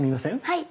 はい。